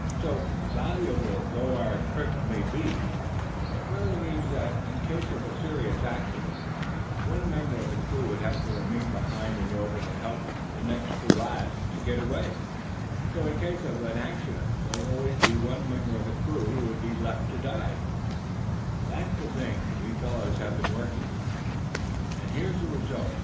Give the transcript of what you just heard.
So, valuable though our trick may be, it really means that, in case of serious accident, one member of the crew would have to remain behind in order to help the next to last to get away. So, in case of accident, there would always be one member of the crew who would have to be left behind to die. That's the thing we fellows have been working on, and here's the result.